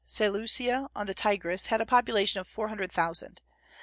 Seleucia, on the Tigris, had a population of four hundred thousand.